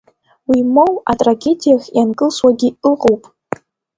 Уимоу атрагедиахь ианкылсуагьы ыҟоуп.